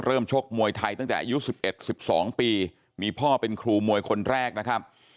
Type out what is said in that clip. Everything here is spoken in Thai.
เขาเป็นครูมวยคนแรกนะครับ